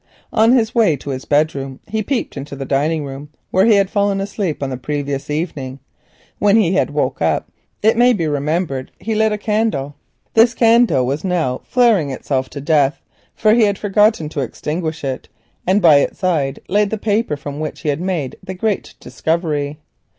On his way to his bed room he peeped into the dining room, where he had fallen asleep on the previous evening. When he had woke up, it may be remembered, he lit a candle. This candle was now flaring itself to death, for he had forgotten to extinguish it, and by its side lay the paper from which he had made the great discovery.